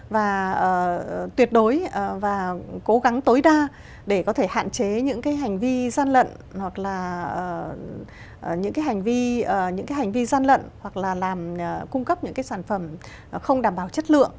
và tuyệt đối và cố gắng tối đa để có thể hạn chế những cái hành vi gian lận hoặc là những cái hành vi những cái hành vi gian lận hoặc là làm cung cấp những cái sản phẩm không đảm bảo chất lượng